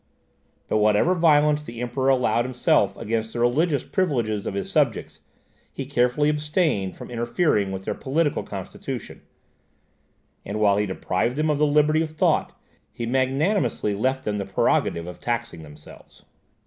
But whatever violence the Emperor allowed himself against the religious privileges of his subjects, he carefully abstained from interfering with their political constitution; and while he deprived them of the liberty of thought, he magnanimously left them the prerogative of taxing themselves.